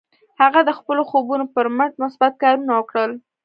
هغه د خپلو خوبونو پر مټ مثبت کارونه وکړل